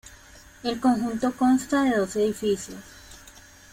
El conjunto consta de dos edificios.